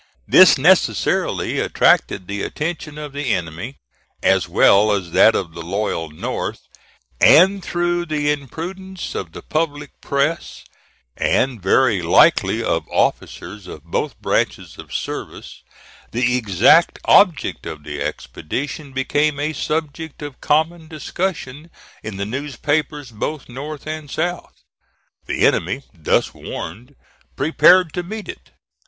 This necessarily attracted the attention of the enemy, as well as that of the loyal North; and through the imprudence of the public press, and very likely of officers of both branches of service, the exact object of the expedition became a subject of common discussion in the newspapers both North and South. The enemy, thus warned, prepared to meet it.